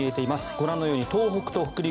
ご覧のように東北と北陸